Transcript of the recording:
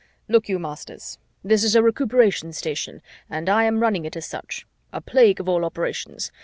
"Look you, masters, this is a Recuperation Station and I am running it as such. A plague of all operations!